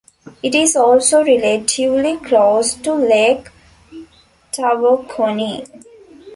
It is also relatively close to Lake Tawakoni.